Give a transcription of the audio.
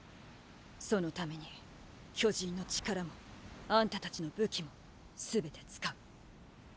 そのために巨人の力もあんたたちの武器もすべて使う。